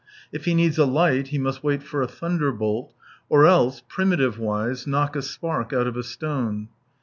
If he needs a light, he must wait for a thunderbolt, or else, primitive wise, knock a spark out of a stone.